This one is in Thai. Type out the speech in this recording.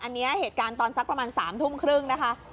อันนี้เหตุการณ์ตอนสักประมาณ๓ทุ่มครึ่งนะคะ